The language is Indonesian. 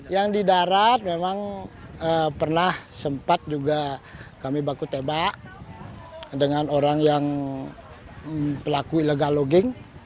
yang di darat memang pernah sempat juga kami baku tebak dengan orang yang pelaku illegal logging